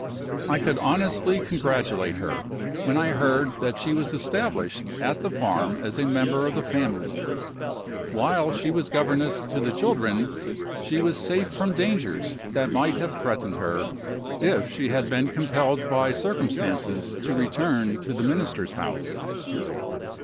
I could honestly congratulate her, when I heard that she was established at the farm as a member of the family. While she was governess to the children, she was safe from dangers that might have threatened her, if she had been compelled by circumstances to return to the Minister's house.